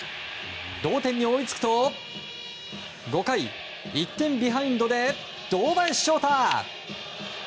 同点に追いつくと５回、１点ビハインドで堂林翔太。